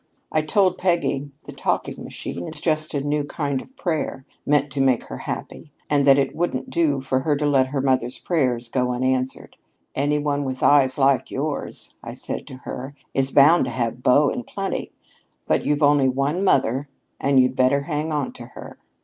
I told Peggy the talking machine was just a new kind of prayer, meant to make her happy, and that it wouldn't do for her to let her mother's prayers go unanswered. 'Any one with eyes like yours,' I said to her, 'is bound to have beaux in plenty, but you've only one mother and you'd better hang on to her.'"